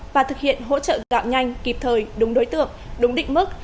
và thực hiện hỗ trợ gạo nhanh kịp thời đúng đối tượng đúng định mức